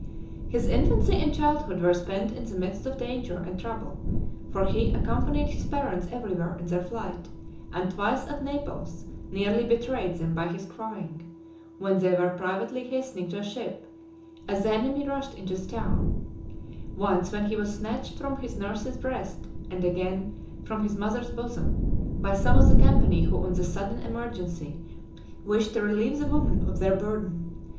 VI. His infancy and childhood were spent in the midst of danger and trouble; for he accompanied his parents everywhere in their flight, and twice at Naples nearly betrayed them by his crying, when they were privately hastening to a ship, as the enemy rushed into the town; once, when he was snatched from his nurse's breast, and again, from his mother's bosom, by some of the company, who on the sudden emergency wished to relieve the women of their burden.